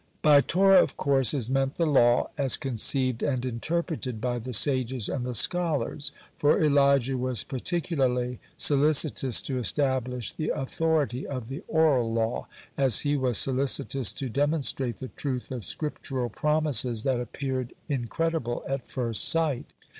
(88) By Torah, of course, is meant the law as conceived and interpreted by the sages and the scholars, for Elijah was particularly solicitous to establish the authority of the oral law, (89) as he was solicitous to demonstrate the truth of Scriptural promises that appeared incredible at first sight.